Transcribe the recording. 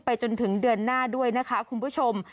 จนถึงเดือนหน้าด้วยนะคะคุณผู้ชม